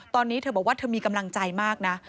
ตอนนี้เธอบอกว่าเธอมีกำลังใจมากนะ